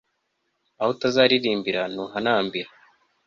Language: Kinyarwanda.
aho utazaririmbira ntuhanambira